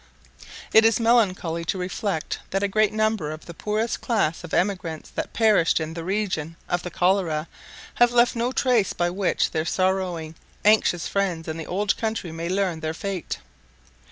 It is melancholy to reflect that a great number of the poorest class of emigrants that perished in the reign of the cholera have left no trace by which their sorrowing anxious friends in the old country may learn their fate.